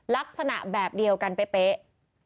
ลักษณะแบบเดียวกันเป๊ะ